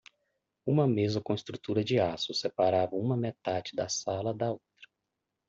Uma mesa com estrutura de aço separava uma metade da sala da outra.